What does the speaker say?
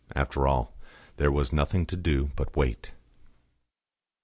After all, there was nothing to do but to wait.